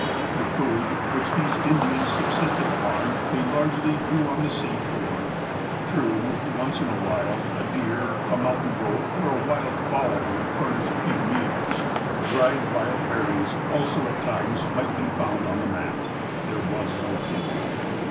The food, which these Indians subsisted upon, they largely drew on the sea for. True, once in a while, a deer, a mountain goat, or a wild fowl would furnish a few meals. Dried wild berries also, at times, might be found on the mat. (There was no table.)